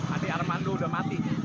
ade armando sudah mati